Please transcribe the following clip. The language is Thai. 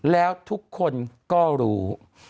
แล้วทุกคนก็รู้